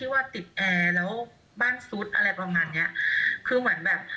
ว่าติดแอร์แล้วบ้านซุดอะไรประมาณเนี้ยคือเหมือนแบบ